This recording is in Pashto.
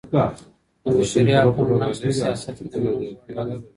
د بشري حقونو نقض په سياست کي د منلو وړ نه دی.